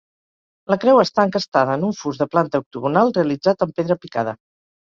La creu està encastada en un fust de planta octogonal, realitzat amb pedra picada.